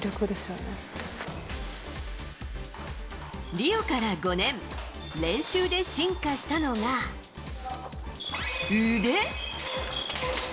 リオから５年練習で進化したのが、腕。